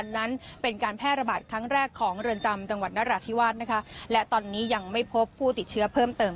นั้นเป็นการแพร่ระบาดครั้งแรกของเรือนจำจังหวัดนราธิวาสนะคะและตอนนี้ยังไม่พบผู้ติดเชื้อเพิ่มเติม